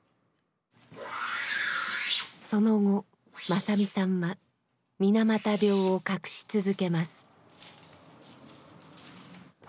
その後正実さんは水俣病を隠し続けます。